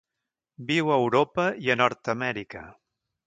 Viu a Europa i a Nord-amèrica.